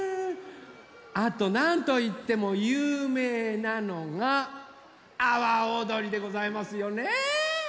あとなんといってもゆうめいなのが「あわおどり」でございますよね！